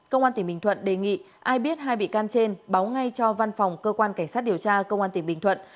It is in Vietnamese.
công an tỉnh bình thuận đề nghị ai biết hai bị can trên báo ngay cho văn phòng cơ quan cảnh sát điều tra công an tỉnh bình thuận